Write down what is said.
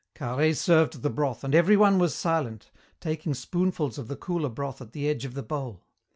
Carhaix served the broth, and everyone was silent, taking spoonfuls of the cooler broth at the edge of the bowl.